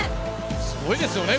すごいですよね